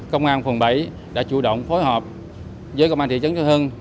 công an phường bảy đã chủ động phối hợp với công an thị trấn châu hưng